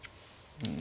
うん。